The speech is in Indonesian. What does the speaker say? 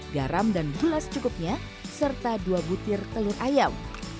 garam dan gula secukupnya serta dua butir telur ayam